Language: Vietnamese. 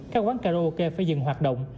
các quán karaoke phải dừng hoạt động